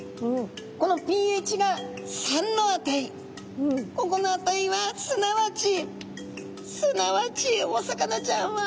このｐＨが３の値ここの値はすなわちすなわちお魚ちゃんは。